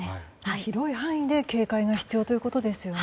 広い範囲で警戒が必要ということですね。